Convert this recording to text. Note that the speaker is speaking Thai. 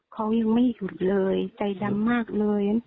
เขายังไม่หยุดเลยใจดำมากเลย